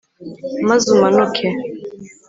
maze umanuke